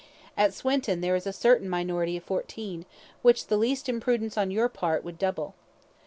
At Swinton there is a certain minority of fourteen, which the least imprudence on your part would double.